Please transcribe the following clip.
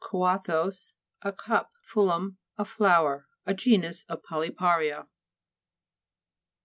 huathos, a cup, phullon, a flower. A genus of polypa'ria (p, 31).